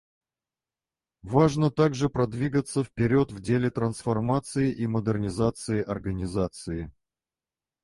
Важно также продвигаться вперед в деле трансформации и модернизации Организации.